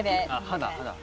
肌？